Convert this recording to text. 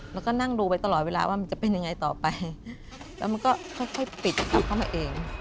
แล้วก็นั่งดูไปตลอดเวลาว่ามันจะเป็นยังไงต่อไปแล้วมันก็ค่อยปิดกลับเข้ามาเอง